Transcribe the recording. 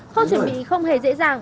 không chuẩn bị không hề dễ dàng